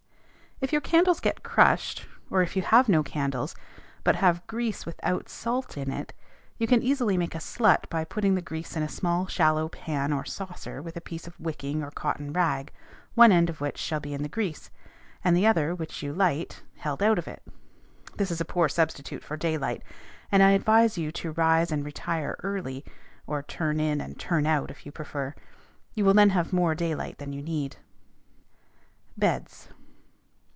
If your candles get crushed, or if you have no candles, but have grease without salt in it, you can easily make a "slut" by putting the grease in a small shallow pan or saucer with a piece of wicking or cotton rag, one end of which shall be in the grease, and the other, which you light, held out of it. This is a poor substitute for daylight, and I advise you to rise and retire early (or "turn in" and "turn out" if you prefer): you will then have more daylight than you need. BEDS.